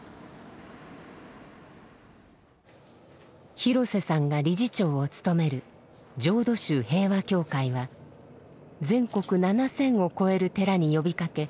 廣瀬さんが理事長を務める浄土宗平和協会は全国７，０００を超える寺に呼びかけ